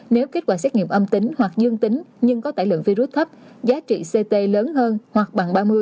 nếu kết quả xét nghiệm âm tính hoặc dương tính nhưng có tải lượng virus thấp giá trị ct lớn hơn hoặc bằng ba mươi